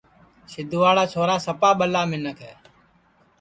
سیدھواڑا سروٹؔ سپا ٻلا منکھ ہے